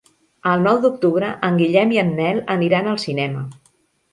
El nou d'octubre en Guillem i en Nel aniran al cinema.